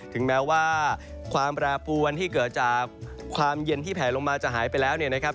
ถึงแม้ว่าความแปรปวนที่เกิดจากความเย็นที่แผลลงมาจะหายไปแล้วเนี่ยนะครับ